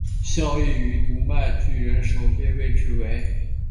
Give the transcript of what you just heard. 效力于读卖巨人守备位置为。